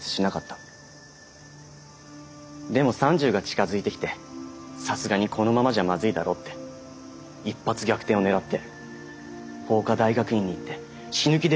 でも３０が近づいてきてさすがにこのままじゃまずいだろうって一発逆転を狙って法科大学院に行って死ぬ気で勉強して司法試験受けたんです。